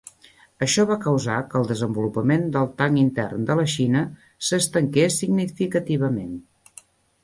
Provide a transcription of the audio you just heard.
Això va causar que el desenvolupament del tanc intern de la Xina s'estanqués significativament.